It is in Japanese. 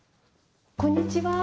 あこんにちは。